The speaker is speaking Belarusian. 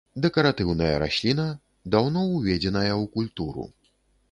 Дэкаратыўная расліна, даўно уведзеная ў культуру.